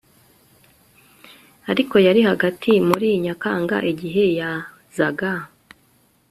ariko yari hagati muri nyakanga igihe yazaga